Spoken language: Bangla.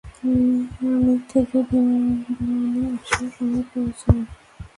মায়ামি থেকে বিমানে আসার সময় পরিচয়।